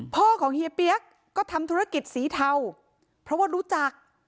พ่อของเฮียเปี๊ยกก็ทำธุรกิจสีเทาเพราะว่ารู้จัก